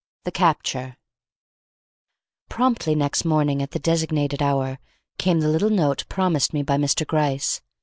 THE CAPTURE Promptly next morning at the designated hour, came the little note promised me by Mr. Gryce.